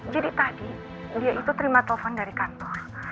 jadi tadi dia itu terima telepon dari kantor